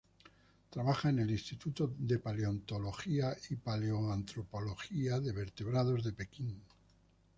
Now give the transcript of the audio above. Trabaja en el Instituto de Paleontología y Paleoantropología de Vertebrados de Pekín.